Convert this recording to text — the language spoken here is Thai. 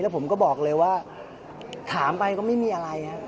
ผมก็บอกเลยว่าถามไปก็ไม่มีอะไร